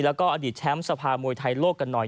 แล้วก็อดีตแชมป์สภามวยไทยโลกกันหน่อย